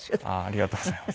ありがとうございます。